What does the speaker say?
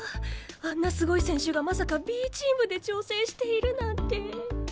あんなすごい選手がまさかＢチームで調整しているなんて。